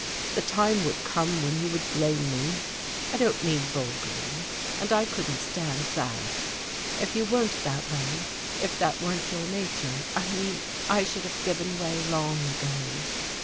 The time would come when you would blame me I don't mean vulgarly and I couldn't stand that. If you weren't that way, if that weren't your nature, I mean, I should have given way long ago."